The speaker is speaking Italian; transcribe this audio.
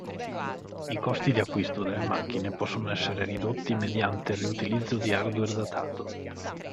I costi di acquisto delle macchine possono essere ridotti mediante il riutilizzo di hardware datato.